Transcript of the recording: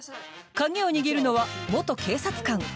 鍵を握るのは元警察官。